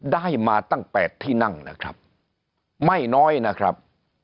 ได้มาตั้ง๘ที่นั่งนะครับไม่น้อยนะครับ